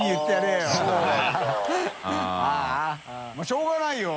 發しょうがないよ。